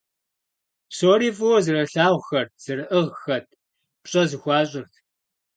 Псори фӀыуэ зэрылъагъухэрт, зэрыӀыгъхэт, пщӀэ зэхуащӀырт.